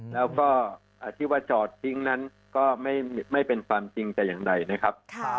แล้วก็ที่ว่าจอดทิ้งนั้นก็ไม่เป็นความจริงแต่อย่างใดนะครับ